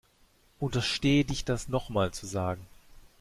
Unterstehe dich das nochmal zu sagen.